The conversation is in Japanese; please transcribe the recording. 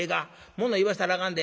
もの言わせたらあかんで。